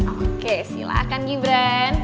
oke silahkan gibran